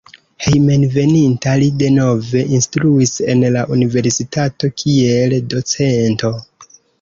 Hejmenveninta li denove instruis en la universitato kiel docento.